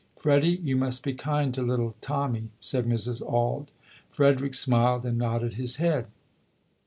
Freddie, you must be kind to little Tommy", said Mrs. Auld. Frederick smiled and nodded his head.